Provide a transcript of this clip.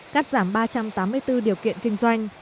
cắt giảm ba trăm tám mươi bốn điều kiện kinh doanh